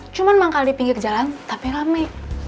cuma manggal di pinggir jalan tapi rame